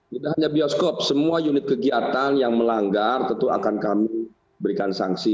tidak hanya bioskop semua unit kegiatan yang melanggar tentu akan kami berikan sanksi